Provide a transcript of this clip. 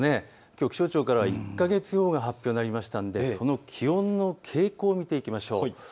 きょう気象庁からは１か月予報が発表されたのでその気温の傾向を見ていきましょう。